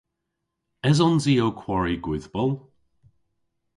Esons i ow kwari gwydhbol?